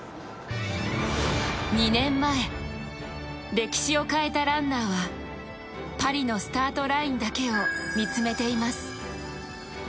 ２年前、歴史を変えたランナーはパリのスタートラインだけを見つめています。